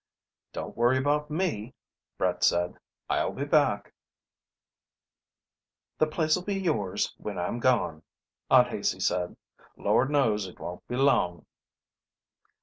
"Don't worry about me," Brett said. "I'll be back." "The place'll be yours when I'm gone," Aunt Haicey said. "Lord knows it won't be long."